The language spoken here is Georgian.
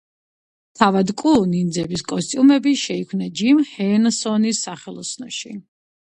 თავად კუ ნინძების კოსტიუმები შეიქმნა ჯიმ ჰენსონის სახელოსნოში.